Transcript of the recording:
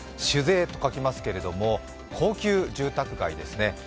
主税と書きますけれども高級住宅街ですね。